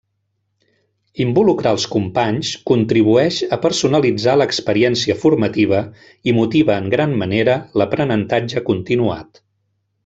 Involucrar els companys contribueix a personalitzar l’experiència formativa i motiva en gran manera l’aprenentatge continuat.